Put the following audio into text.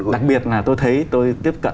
đặc biệt là tôi thấy tôi tiếp cận